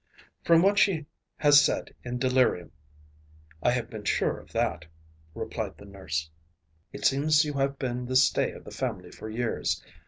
"From what she has said in delirium I have been sure of that," replied the nurse. "It seems you have been the stay of the family for years.